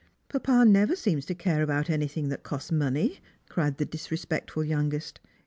"Papa never seems to care about anything that costa money," cried the disrespectful youngest.